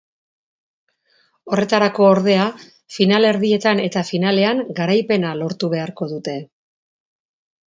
Horretarako, ordea, finalerdietan eta finalean garaipena lortu beharko dute.